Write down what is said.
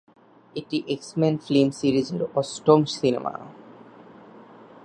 এটি X Men film series এর অষ্টম সিনেমা।